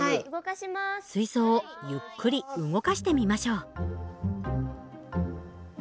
水槽をゆっくり動かしてみましょう。